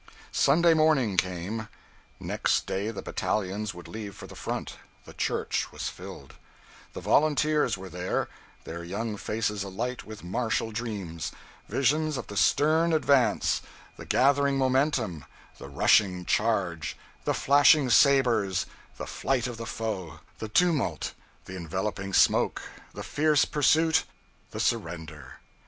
Sunday morning came – next day the battalions would leave for the front; the church was filled; the volunteers were there, their young faces alight with martial dreams – visions of the stern advance, the gathering momentum, the rushing charge, the flashing sabers, the flight of the foe, the tumult, the enveloping smoke, the fierce pursuit, the surrender!